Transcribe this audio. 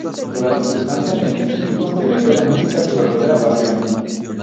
Durante su estancia en el instituto se metió a la música, su verdadera pasión.